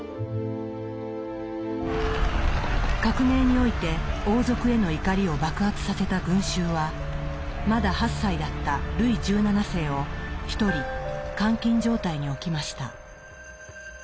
革命において王族への怒りを爆発させた群衆はまだ８歳だったルイ１７世を一人監禁状態に置きました。